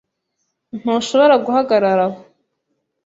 Ntushobora guhagarara aho .